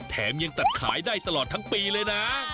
แถมยังตัดขายได้ตลอดทั้งปีเลยนะ